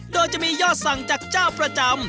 โดยจะมียอดสั่งจากเจ้าประจำ